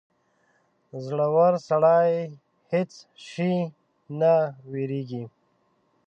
• زړور سړی له هېڅ شي نه وېرېږي.